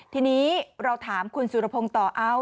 ทีนี้เราถามคุณสุรพงศ์ต่อเอา